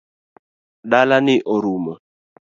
Dala ni orumo .